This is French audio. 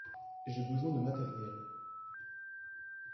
J’ai besoin de matériels.